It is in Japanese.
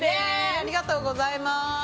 ありがとうございます！